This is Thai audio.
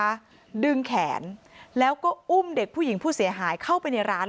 ดึงแขนแล้วก็อุ้มเด็กผู้หญิงผู้เสียหายเข้าไปในร้าน